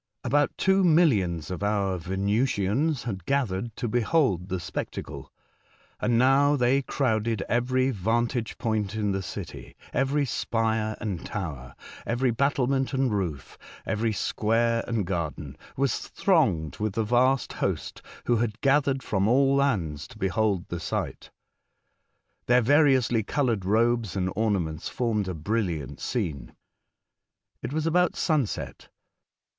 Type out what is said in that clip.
About two millions of our Venusians had gathered to behold the spectacle, and now they crowded every vantage point in the city — every spire and tower, every battlement and roof, every square and garden, was thronged with the vast host who had gathered from all lands to behold the sight. Their variously coloured robes and ornaments formed a most brilliant scene. It was about sunset.